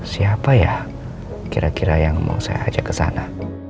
siapa ya kira kira yang mau saya ajak kesana